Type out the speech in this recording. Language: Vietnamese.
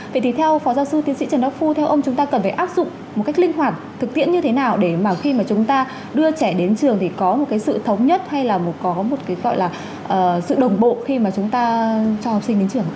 vậy thì theo phó giáo sư tiến sĩ trần đắc phu theo ông chúng ta cần phải áp dụng một cách linh hoạt thực tiễn như thế nào để mà khi mà chúng ta đưa trẻ đến trường thì có một cái sự thống nhất hay là có một cái gọi là sự đồng bộ khi mà chúng ta cho học sinh đến trường